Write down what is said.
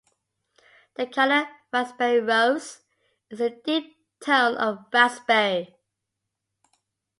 The color "raspberry rose" is a deep tone of raspberry.